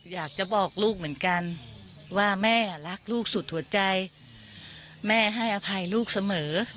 อยากจะบอกลูกเหมือนกันว่าแม่รักลูกสุดหัวใจแม่ให้อภัยลูกเสมอ